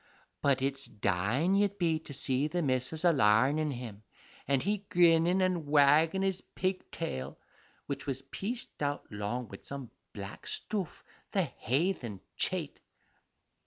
But it's dying you'd be to see the missus a larnin' him, and he grinnin' an' waggin' his pig tail (which was pieced out long wid some black stoof, the haythen chate!)